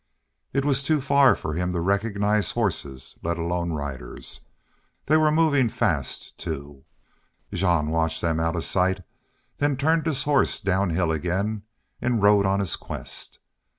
It was too far for him to recognize horses, let alone riders. They were moving fast, too. Jean watched them out of sight, then turned his horse downhill again, and rode on his quest.